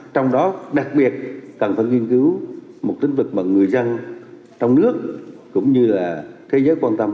trong đó đặc biệt cần phải nghiên cứu một tính vực mà người dân trong nước cũng như là thế giới quan tâm